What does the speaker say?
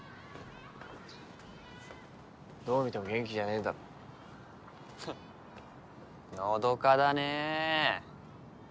どう見ても元気じゃねえだろフッのどかだね